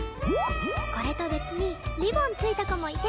これと別にリボン付いた子もいて。